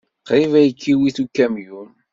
Qrib ay k-iwit ukamyun.